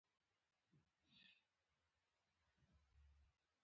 ده ته مې وویل: دا څومره لوی دی؟ په عذرانه انداز یې را وکتل.